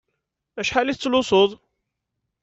Acḥal i tettlusuḍ?